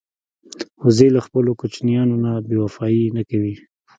وزې له خپلو کوچنیانو نه بېوفايي نه کوي